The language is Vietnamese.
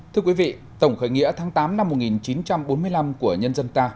thưa quý vị tổng khởi nghĩa tháng tám năm một nghìn chín trăm bốn mươi năm của nhân dân ta